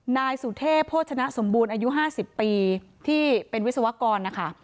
นายสุเทพโภชนะสมบูรณ์อายุ๕๐ปีที่เป็นวิศวกรนะคะ